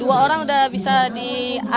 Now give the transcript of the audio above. kita harus berpikir pikir